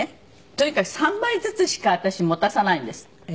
とにかく３枚ずつしか私持たさないんです。